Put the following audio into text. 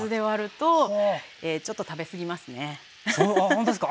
ほんとですか？